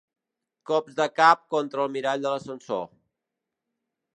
Cops de cap contra el mirall de l'ascensor.